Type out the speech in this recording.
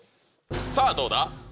さあ、どうだ？